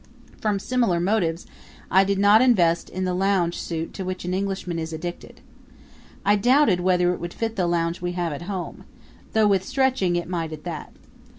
From similar motives I did not invest in the lounge suit to which an Englishman is addicted. I doubted whether it would fit the lounge we have at home though, with stretching, it might, at that.